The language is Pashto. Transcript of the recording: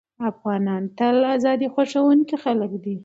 افغانان تل ازادي خوښوونکي خلک دي.